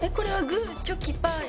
グーチョキパー。